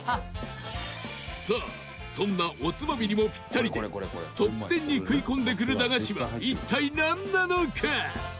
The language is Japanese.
さあ、そんなおつまみにもピッタリでトップ１０に食い込んでくる駄菓子は、一体なんなのか？